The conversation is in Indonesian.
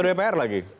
ketua dpr lagi